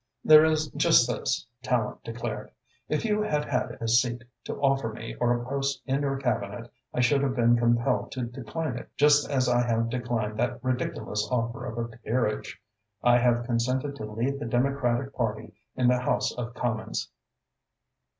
"There is just this," Tallente declared. "If you had had a seat to offer me or a post in your Cabinet, I should have been compelled to decline it, just as I have declined that ridiculous offer of a peerage. I have consented to lead the Democratic Party in the House of Commons."